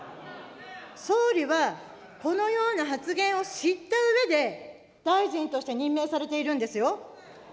総理はこのような発言を知ったうえで、大臣として任命されているんですよ。